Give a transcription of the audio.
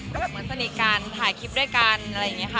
ก็แบบเหมือนสนิทกันถ่ายคลิปด้วยกันอะไรอย่างนี้ค่ะ